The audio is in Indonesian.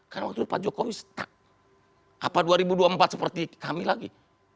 karena waktu itu pak jokowi setak apa dua ribu dua puluh empat seperti kami lagi